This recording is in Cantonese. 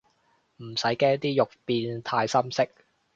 唔使驚啲肉變太深色